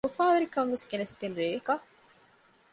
އުފާވެރި ކަންވެސް ގެނެސްދިން ރެއަކަށް